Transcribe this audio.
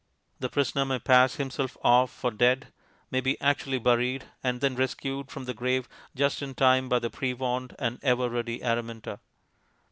The prisoner may pass himself off for dead, may be actually buried, and then rescued from the grave just in time by the pre warned and ever ready Araminta.